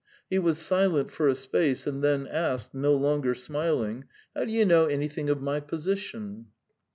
He was silent for a space and then asked, no longer smiling: "How do you know anything of my position?"